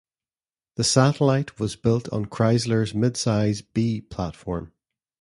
The Satellite was built on Chrysler's mid-size "B" platform.